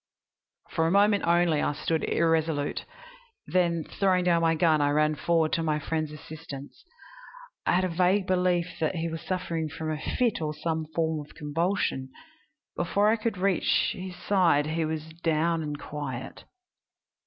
"For a moment only I stood irresolute, then, throwing down my gun, I ran forward to my friend's assistance. I had a vague belief that he was suffering from a fit or some form of convulsion. Before I could reach his side he was down and quiet.